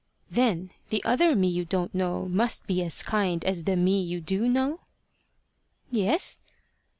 "Then the other me you don't know must be as kind as the me you do know?" "Yes."